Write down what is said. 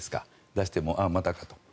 出しても、ああ、またかと。